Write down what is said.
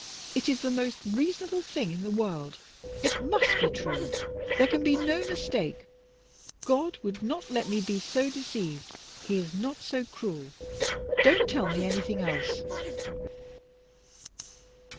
"It is the most reasonable thing in the world. It must be true. There can be no mistake. God would not let me be so deceived. He is not so cruel. Don't tell me anything else."